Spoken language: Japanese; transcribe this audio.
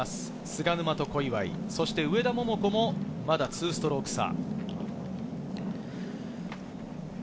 菅沼と小祝、そして上田桃子もまだ２ストローク差。